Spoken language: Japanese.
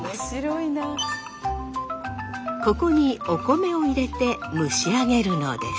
ここにお米を入れて蒸し上げるのです。